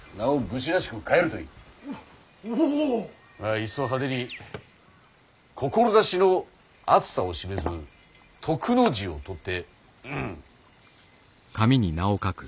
いっそ派手に志の篤さを示す「篤」の字を取って。